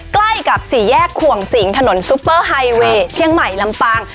ใกล้กับสี่แยกขวงสิงถนนซุปเปอร์ไฮเวย์เชียงใหม่ลำปาง